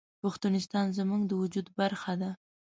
پښتونستان زموږ د وجود برخه ده